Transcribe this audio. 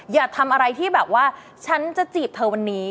อย่าทำอะไรที่แบบว่าฉันจะจีบเธอวันนี้